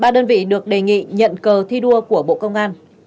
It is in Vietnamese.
ba đơn vị được đề nghị nhận cờ thi đua của bộ công an